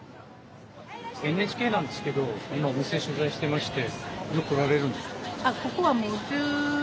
ＮＨＫなんですけど今お店取材してまして。